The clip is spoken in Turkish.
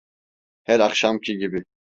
Her akşamki gibi…